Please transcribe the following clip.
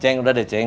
ceng udah deh ceng